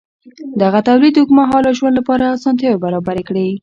دغه تولید د اوږدمهاله ژوند لپاره اسانتیاوې برابرې کړې.